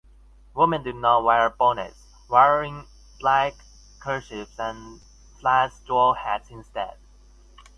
Women do not wear bonnets, wearing black kerchiefs and flat straw hats instead.